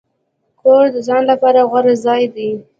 کور د ځان لپاره غوره ځای دی.